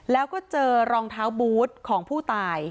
แล้วก็เจอรองเท้าบูธของผู้ตาย